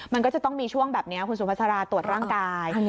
มันก็จะต้องมีช่วงแบบนี้คุณสุภาษาราตรวจร่างกาย